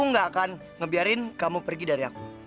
aku gak akan ngebiarin kamu pergi dari aku